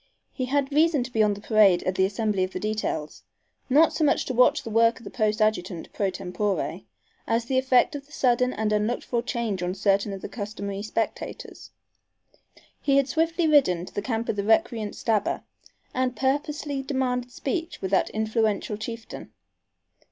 He had reason to be on the parade at the "assembly of the details," not so much to watch the work of the post adjutant pro tempore, as the effect of the sudden and unlooked for change on certain of the customary spectators. He had swiftly ridden to the camp of the recreant Stabber and purposely demanded speech with that influential chieftain.